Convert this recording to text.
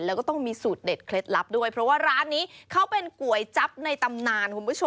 แล้วก็ต้องมีสูตรเด็ดเคล็ดลับด้วยเพราะว่าร้านนี้เขาเป็นก๋วยจั๊บในตำนานคุณผู้ชม